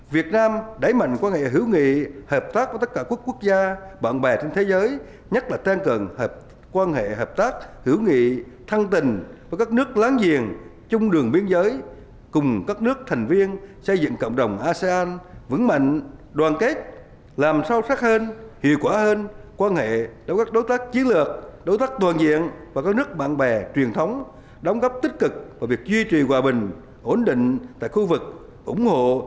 việt nam đẩy mạnh quan hệ hữu nghị hợp tác với tất cả quốc gia bạn bè trên thế giới nhất là tên cần quan hệ hợp tác hữu nghị thăng tình với các nước láng giềng chung đường biên giới cùng các nước thành viên xây dựng cộng đồng asean vững mạnh đoàn kết làm sao sắc hơn hiệu quả hơn quan hệ đối tác chiến lược đối tác toàn diện và các nước bạn bè truyền thống đóng góp tích cực và việc duy trì hòa bình ổn định tại khu vực ủng hộ đối tác đối tác đối tác đối tác đối tác đối tác